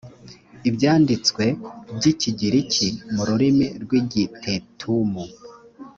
ibyanditswe by’ikigiriki mu rurimi rw’igitetumu